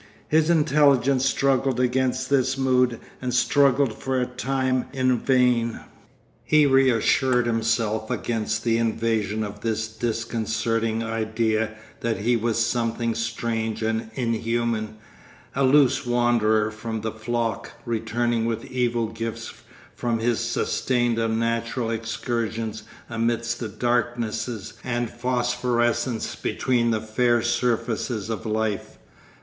His intelligence struggled against this mood and struggled for a time in vain. He reassured himself against the invasion of this disconcerting idea that he was something strange and inhuman, a loose wanderer from the flock returning with evil gifts from his sustained unnatural excursions amidst the darknesses and phosphorescences beneath the fair surfaces of life.